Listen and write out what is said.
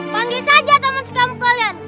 panggil saja teman sekamu kalian